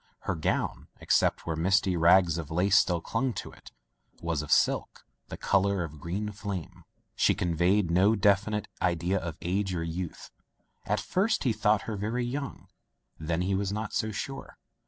Her gown, except where misty rags of lace still clung to it, was of silk, the color of green flame. She conveyed no definite idea of age or youth. At first he thought her very young, then he was not so sure.